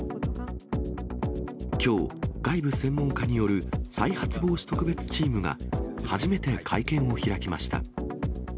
きょう、外部専門家による再発防止特別チームが初めて会見を開きました。